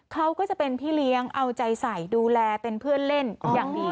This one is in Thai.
เขาก็จะเป็นพี่เลี้ยงเอาใจใส่ดูแลเป็นเพื่อนเล่นอย่างดี